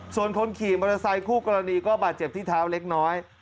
ส่วนคนขี่มอเตอร์ไซคู่กรณีก็บาดเจ็บที่เท้าเล็กน้อย